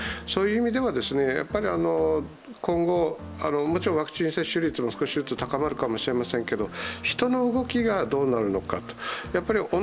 そういう意味では、今後、もちろんワクチン接種率も少しずつ高まるかもしれませんけど人の動きがどうなるのか。